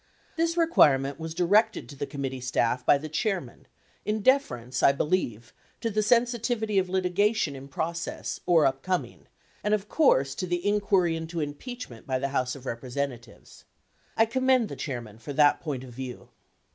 This requirement was directed to the committee staff by the chairman in deference, I believe, to the sensitivity of litigation in process, or upcoming, and of course to the inquiry into impeachment by the House of Representatives. I commend the chairman for that point of view.